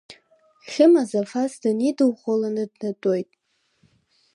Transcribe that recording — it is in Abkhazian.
Хьыма Зафас дынидыӷәӷәаланы днатәоит.